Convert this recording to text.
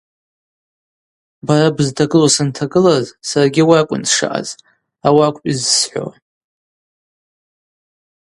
Бара бызтагылу сантагылаз саргьи ауи акӏвын сшаъаз, ауи акӏвпӏ зысхӏвауа.